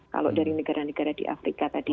kalau dari negara negara di afrika tadi